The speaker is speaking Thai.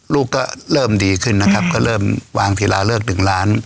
ลูกก็เริ่มดีขึ้นนะครับก็เริ่มวางทีละเลิกหนึ่งล้าน